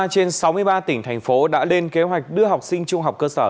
ba trên sáu mươi ba tỉnh thành phố đã lên kế hoạch đưa học sinh trung học cơ sở